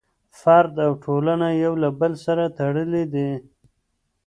فرد او ټولنه یو له بل سره تړلي دي.